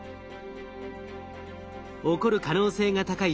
起こる可能性が高い